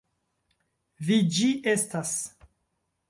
Vi ĝi estas!